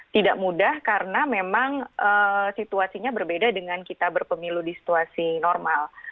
tidak mudah karena memang situasinya berbeda dengan kita berpemilu di situasi normal